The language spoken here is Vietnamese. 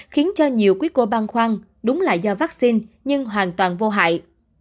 khiến cho nhiều quý cô băng khoan đúng là do vắc xin nhưng hoàn toàn vô hại